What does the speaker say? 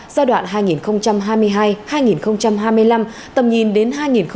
giai đoạn hai nghìn hai mươi hai hai nghìn hai mươi năm tầm nhìn đến hai nghìn ba mươi